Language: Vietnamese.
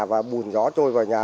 và buồn gió trôi vào nhà